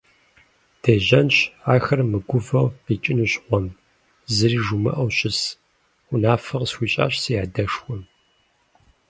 Дежьэнщ, ахэр мыгувэу къикӀынущ гъуэм, зыри жумыӀэу щыс, - унафэ къысхуищӀащ си адэшхуэм.